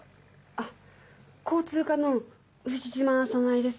あっ交通課の牛島早苗です。